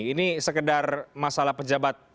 ini sekedar masalah pejabat